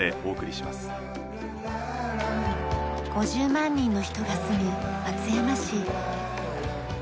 ５０万人の人が住む松山市。